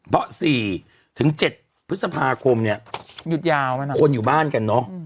เพราะ๔๗พฤษภาคมเนี่ยคนอยู่บ้านกันเนอะ